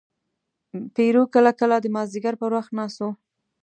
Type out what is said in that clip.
پیرو کله کله د مازدیګر پر وخت ناست و.